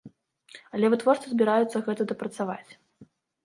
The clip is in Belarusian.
Але вытворцы збіраюцца гэта дапрацаваць.